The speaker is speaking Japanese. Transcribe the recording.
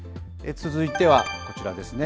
続いてはこちらですね。